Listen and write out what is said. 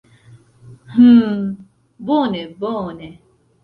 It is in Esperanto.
Hm, bone bone.